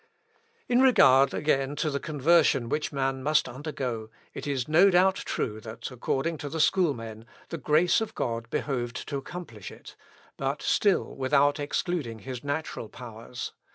In regard, again, to the conversion which man must undergo, it is no doubt true that, according to the schoolmen, the grace of God behoved to accomplish it, but still without excluding his natural powers.